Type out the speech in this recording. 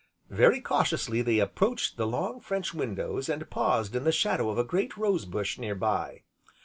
Very cautiously they approached the long French windows, and paused in the shadow of a great rose bush, near by.